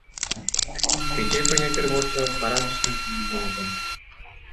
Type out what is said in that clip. Кече көйнөктөр болсо, кара түстөн тигилген экен.